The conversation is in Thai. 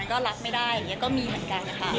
ก็รับไม่ได้อย่างนี้ก็มีเหมือนกันนะคะ